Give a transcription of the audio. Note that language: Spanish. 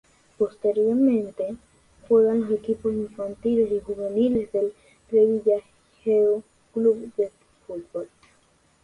Posteriormente, juega en los equipos infantiles y juveniles del Revillagigedo Club de Fútbol.